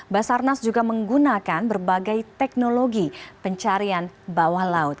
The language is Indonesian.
basarnas juga menggunakan berbagai teknologi pencarian bawah laut